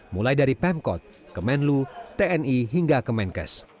mulai dari pemkot kemenlu tni hingga kemenkes